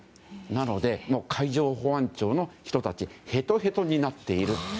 なので、海上保安庁の人たちへとへとになっている。